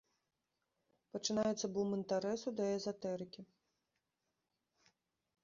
Пачынаецца бум інтарэсу да эзатэрыкі.